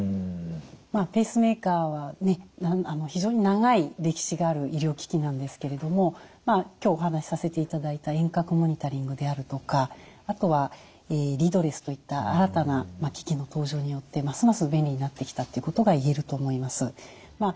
ペースメーカーは非常に長い歴史がある医療機器なんですけれども今日お話しさせていただいた遠隔モニタリングであるとかあとはリードレスといった新たな機器の登場によってますます便利になってきたってことがいえると思います。